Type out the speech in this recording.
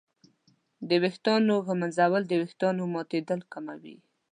د ویښتانو ږمنځول د ویښتانو ماتېدل کموي.